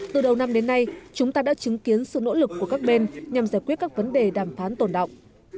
từ đầu năm đến nay chúng ta đã chứng kiến sự nỗ lực của các bên nhằm giải quyết các vấn đề đàm phán tổn động